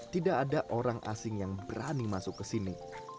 tidak ada orang asing yang berani masuk ke sini